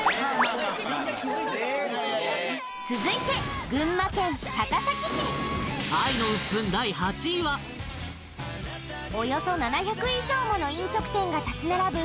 続いておよそ７００以上もの飲食店が立ち並ぶ